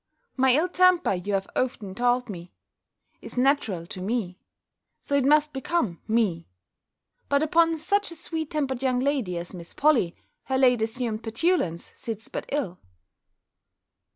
"My ill temper, you have often told me, is natural to me; so it must become me: but upon such a sweet tempered young lady as Miss Polly, her late assumed petulance sits but ill!"